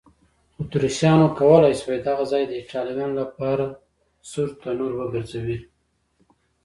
اتریشیانو کولای شوای دغه ځای د ایټالویانو لپاره سور تنور وګرځوي.